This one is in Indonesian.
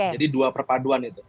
jadi dua perpaduan itu